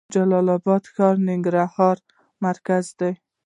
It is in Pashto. د جلال اباد ښار د ننګرهار مرکز دی